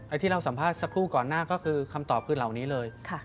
ที่เราสัมภาษณ์สักครู่ก่อนหน้าก็คือคำตอบคือเหล่านี้เลย